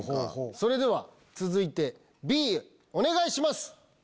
それでは続いてＢお願いします。